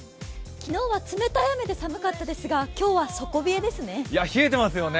昨日は冷たい雨で寒かったですが、今日は底冷えですね。